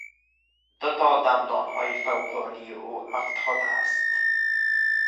دو تا از دندانهای فوقانی او افتاده است.